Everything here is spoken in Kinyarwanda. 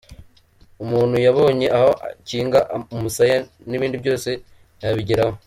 Umuntu yabonye aho akinga umusaya n’ibindi byose yabigeraho.